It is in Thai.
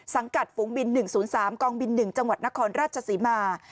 สังกัดฝูงบิน๑๐๓กองบิน๑จังหวัดนครราชศรีมา